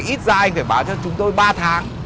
ít ra anh phải báo cho chúng tôi ba tháng